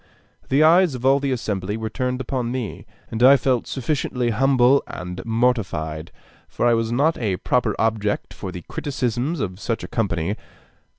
The eyes of all the assembly were turned upon me, and I felt sufficiently humble and mortified, for I was not a proper object for the criticisms of such a company.